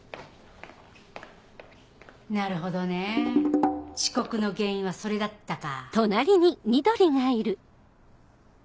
なるほどねぇ遅刻の原因はそれだったか。